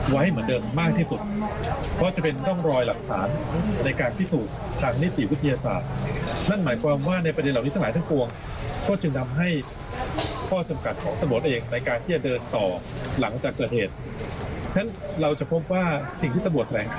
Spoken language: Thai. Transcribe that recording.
วันเวลาขนาดประเทศจุดที่คุณจังหมูตก